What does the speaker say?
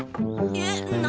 えっ何？